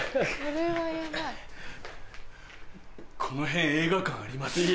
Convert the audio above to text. この辺映画館あります？